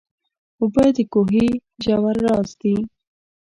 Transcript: اوبه د کوهي ژور راز دي.